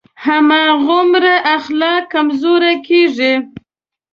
هماغومره اخلاق کمزوری کېږي.